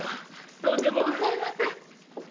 とんでもございません。